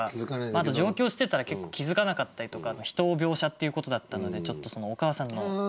あと上京してたら結構気付かなかったりとか人を描写っていうことだったのでちょっとそのお母さんの手に注目して。